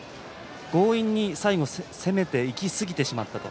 強引に最後攻めてすぎてしまったと。